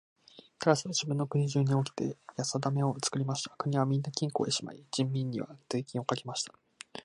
タラスは自分の国中におきてやさだめを作りました。金はみんな金庫へしまい、人民には税金をかけました。